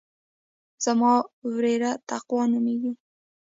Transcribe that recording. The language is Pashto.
زما وريره تقوا نوميږي.